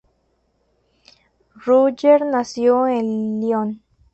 Rougier nació en Lyon.